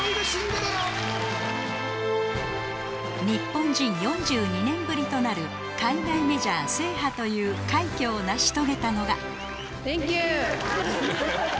日本人４２年ぶりとなる海外メジャー制覇という快挙を成し遂げたのが。